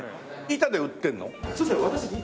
板で売ってるの？